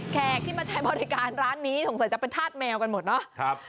ที่มาใช้บริการร้านนี้สงสัยจะเป็นธาตุแมวกันหมดเนาะ